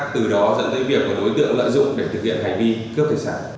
từ đó dẫn tới việc đối tượng lợi dụng để thực hiện hành vi cướp tài sản